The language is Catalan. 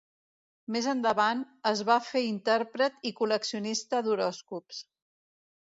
Més endavant es va fer intèrpret i col·leccionista d'horòscops.